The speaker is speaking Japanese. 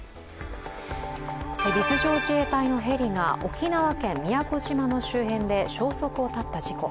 陸上自衛隊のヘリが沖縄県宮古島の周辺で消息を絶った事故。